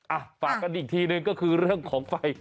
อ่ะฝากกันอีกทีหนึ่งก็คือเรื่องของไฟ